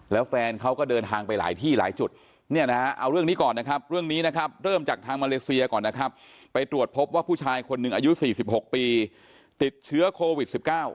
แล้วแฟนเขาก็เดินทางไปหลายที่หลายจุดเนี่ยนะฮะเอาเรื่องนี้ก่อนนะครับเรื่องนี้นะครับเริ่มจากทางมาเลเซียก่อนนะครับไปตรวจพบว่าผู้ชายคนหนึ่งอายุ๔๖ปีติดเชื้อโควิด๑๙